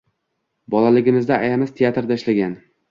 Bolaligimizda ayamiz teatrda ishlagan